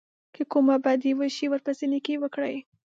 که کومه بدي وشي ورپسې نېکي وکړئ.